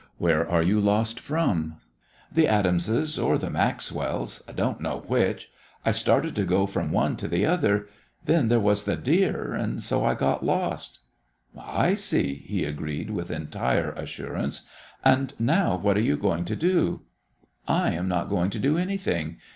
"Where are you lost from?" "The Adamses' or the Maxwells', I don't know which. I started to go from one to the other. Then there was the deer, and so I got lost." "I see," he agreed with entire assurance. "And now what are you going to do?" "I am not going to do anything.